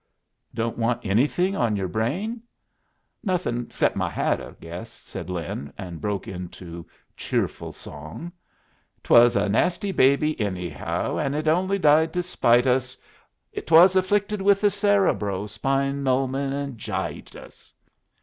"Don't want anything on your brain?" "Nothin' except my hat, I guess," said Lin, and broke into cheerful song: "'Twas a nasty baby anyhow, And it only died to spite us; 'Twas afflicted with the cerebrow Spinal meningitis!'"